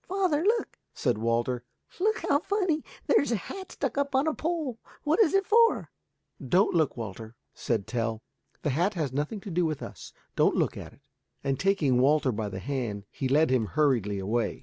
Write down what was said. "Father, look," said Walter, "look, how funny! there is a hat stuck up on a pole. What is it for?" "Don't look, Walter," said Tell, "the hat has nothing to do with us, don't look at it." And taking Walter by the hand, he led him hurriedly away.